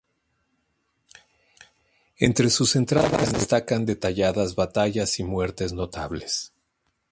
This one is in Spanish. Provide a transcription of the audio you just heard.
Entre sus entradas destacan detalladas batallas y muertes notables.